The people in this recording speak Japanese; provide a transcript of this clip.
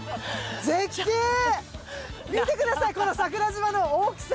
見てくださいこの桜島の大きさ。